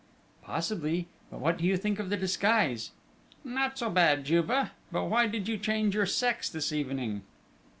"Possibly! But what do you think of the disguise?" "Not so bad, Juve; but why did you change your sex this evening?"